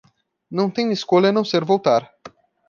Não tenho escolha a não ser voltar.